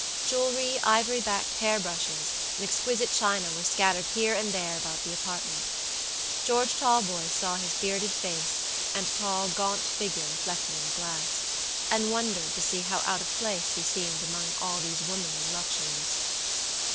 Jewelry, ivory backed hair brushes, and exquisite china were scattered here and there about the apartment. George Talboys saw his bearded face and tall, gaunt figure reflected in the glass, and wondered to see how out of place he seemed among all these womanly luxuries.